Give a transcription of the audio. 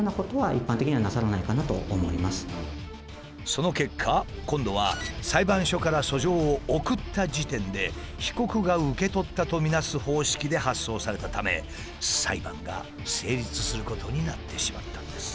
その結果今度は裁判所から訴状を送った時点で被告が受け取ったとみなす方式で発送されたため裁判が成立することになってしまったんです。